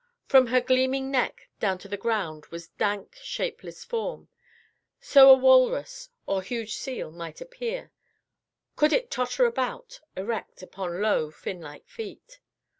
From her gleaming neck down to the ground was dank, shapeless form. So a walrus or huge seal might appear, could it totter about erect upon low, fin like feet.